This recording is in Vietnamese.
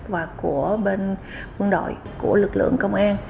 và của bên quân đội của lực lượng công an